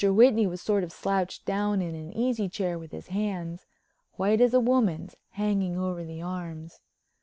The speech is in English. Whitney was sort of slouched down in an easy chair with his hands—white as a woman's—hanging over the arms.